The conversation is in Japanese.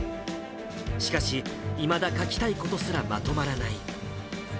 しかし、いまだ書きたいことすらまとまらない。